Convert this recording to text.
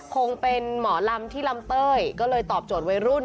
คงเป็นหมอลำที่ลำเต้ยก็เลยตอบโจทย์วัยรุ่น